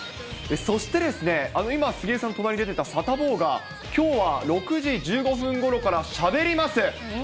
そしてですね、今、杉江さん、隣に出てたサタボーが、きょうは、６時１５分ごろからしゃべります。